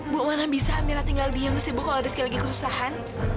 bu mana bisa amira tinggal diam sibuk kalau rizky lagi kesusahan